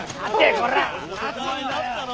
こら！